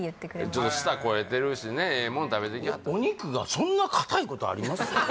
ちょっと舌肥えてるしねええもん食べてきはったお肉がそんな硬いことありますか？